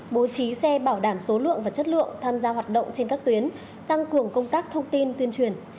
bố trí xe bảo đảm số lượng và chất lượng tham gia hoạt động trên các tuyến tăng cường công tác thông tin tuyên truyền